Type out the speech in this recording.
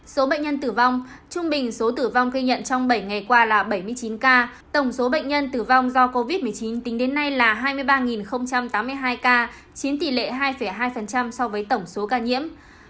số bệnh nhân tử vong trung bình số tử vong ghi nhận trong bảy ngày qua là bảy mươi chín ca tổng số bệnh nhân tử vong do covid một mươi chín tính đến nay là hai mươi ba tám mươi hai ca chiếm tỷ lệ hai hai so với tổng số ca nhiễm